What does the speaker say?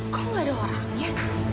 kok gak ada orang ya